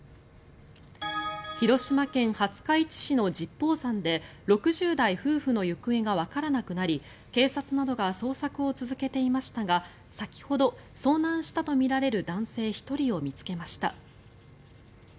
広島県廿日市市の十方山で６０代夫婦の行方がわからなくなり警察などが捜索を続けていましたが先ほど、遭難したとみられる男性１人を見つけました。